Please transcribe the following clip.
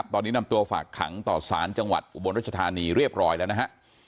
ตอนนี้นำตัวฝากขังต่อสารจังหวัดอุบลรัชธานีเรียบร้อยแล้วนะฮะ